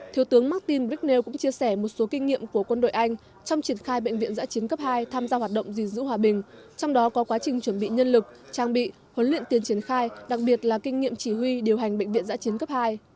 thiếu tướng martin bricn cũng chia sẻ một số kinh nghiệm của quân đội anh trong triển khai bệnh viện giã chiến cấp hai tham gia hoạt động gìn giữ hòa bình trong đó có quá trình chuẩn bị nhân lực trang bị huấn luyện tiền triển khai đặc biệt là kinh nghiệm chỉ huy điều hành bệnh viện giã chiến cấp hai